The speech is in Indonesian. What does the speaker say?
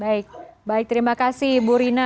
baik baik terima kasih bu rina